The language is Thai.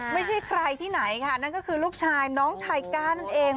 ไม่ใช่ใครที่ไหนค่ะนั่นก็คือลูกชายน้องไทก้านั่นเอง